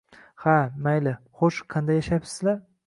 Ha, mayli, xo`sh, qanday yashayapsizlar